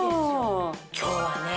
今日はね